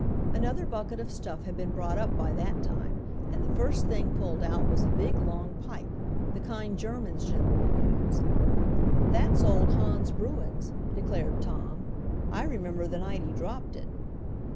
Another bucket of stuff had been brought up by that time, and the first thing pulled out was a big long pipe, the kind Germans generally use. "That's old Hans Bruen's," declared Tom "I remember the night he dropped it."